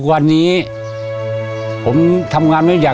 ก็ยังดีว่ามีคนมาดูแลน้องเติร์ดให้